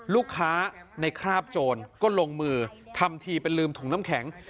ลูกค้าในคราบโจรก็ลงมือทำทีเป็นลืมถุงน้ำแข็ง